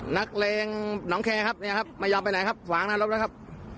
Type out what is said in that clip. นักเลงน้องแคร์ครับไม่ยอมไปไหนครับขวางหน้ารถแล้วครับ